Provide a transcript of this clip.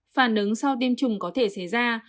phản ứng sau tiêm chủng có thể xảy ra